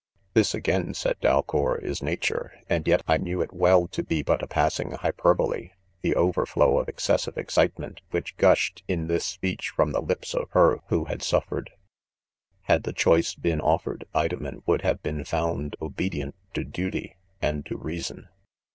3 Ji This, again," saidj Dale our, 'fHtar nature! and yet, 1 knew .■ it wellj to beibpt^aspas^iigFliy • perbole, the overflow of excessive excitement F 122 '■ IDOMlf. 1 . v.'..: which gushed, in this speech, from the lips of her who had, suffered. Had the' choice been offered, Women would have tee^ found;, obe dient to duty and to reason.